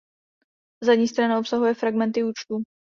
Zadní strana obsahuje fragmenty účtů.